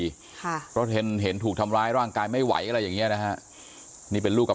ค่ะเพราะเธนเห็นถูกทำร้ายร่างกายไม่ไหว